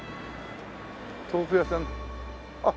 豆腐屋さんあっ！